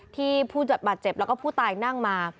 ผู้จัดบาดเจ็บแล้วก็ผู้ตายนั่งมา